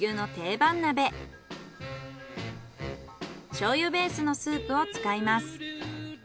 醤油ベースのスープを使います。